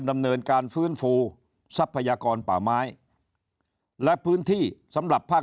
ดำเนินการฟื้นฟูทรัพยากรป่าไม้และพื้นที่สำหรับภาค